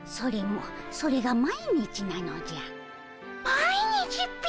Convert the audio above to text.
毎日っピ？